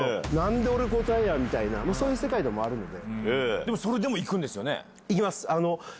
そういう世界でもあるので。